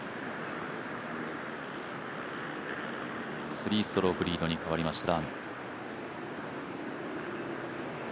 ３ストロークリードに変わりました。